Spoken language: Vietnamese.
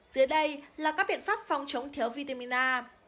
dưới đây là các biện pháp phòng chống thiếu vitamin a